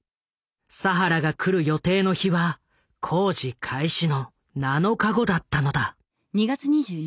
佐原が来る予定の日は工事開始の７日後だったのだ。